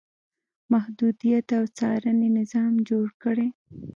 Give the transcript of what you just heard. محدودیت او څارنې نظام جوړ کړي.